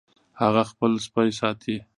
هغه خپل سپی ساتي